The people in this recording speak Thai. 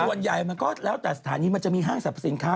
ส่วนใหญ่มันก็แล้วแต่สถานีมันจะมีห้างสรรพสินค้า